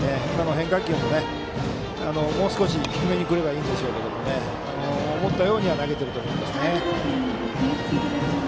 変化球ももう少し低めに来ればいいでしょうが思ったようには投げていると思いますね。